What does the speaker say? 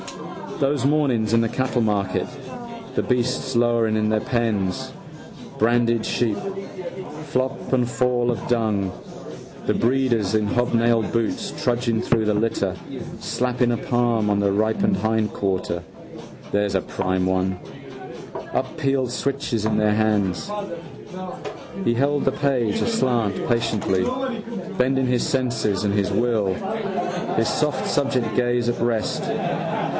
Those mornings in the cattlemarket, the beasts lowing in their pens, branded sheep, flop and fall of dung, the breeders in hobnailed boots trudging through the litter, slapping a palm on a ripemeated hindquarter, there's a prime one, unpeeled switches in their hands. He held the page aslant patiently, bending his senses and his will, his soft subject gaze at rest.